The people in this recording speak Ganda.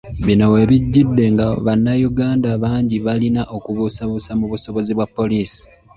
Bino we bijjidde nga bannayuganda bangi balina okubuusabuusa mu busobozi bwa poliisi.